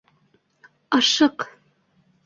Ашыҡ!